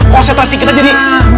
konsentrasi kita jadi